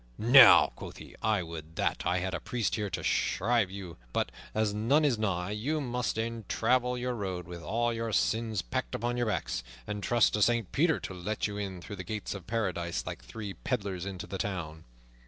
"Now," quoth he, "I would that I had a priest here to shrive you; but, as none is nigh, you must e'en travel your road with all your sins packed upon your backs, and trust to Saint Peter to let you in through the gates of Paradise like three peddlers into the town."